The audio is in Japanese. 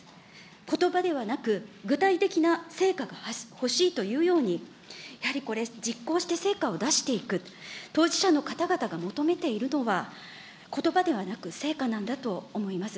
ことばではなく、具体的な成果が欲しいというように、やはりこれ、実行して成果を出していく、当事者の方々が求めているのは、ことばではなく成果なんだと思います。